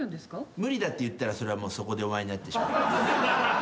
無理だって言ったらそれはそこで終わりになってしまいます。